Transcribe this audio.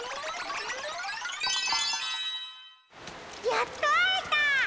やっとあえた！